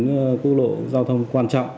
quốc lộ giao thông quan trọng